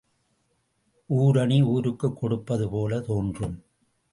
ஊருணி, ஊருக்குக் கொடுப்பது போலத் தோன்றும்.